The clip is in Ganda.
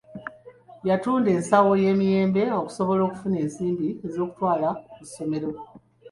Yatunda ensawo y’emiyembe okusobola okufuna ensimbi ez’okutwala ku ssomero.